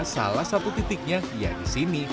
salah satu titiknya ya di sini